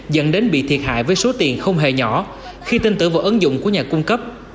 dẫn đến bị thiệt hại với số tiền không hề nhỏ khi tin tưởng vào ứng dụng của nhà cung cấp